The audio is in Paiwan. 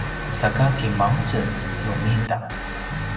saka kimangtjez nungida?